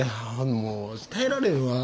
もうワシ耐えられんわ。